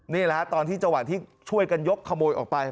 นี่แหละฮะตอนที่จังหวะที่ช่วยกันยกขโมยออกไป